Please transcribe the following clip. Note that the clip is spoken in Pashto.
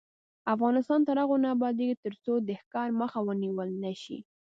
افغانستان تر هغو نه ابادیږي، ترڅو د ښکار مخه ونیول نشي.